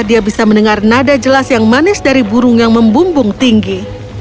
dia bisa mendengar nada jelas yang manis dari burung yang membumbung tinggi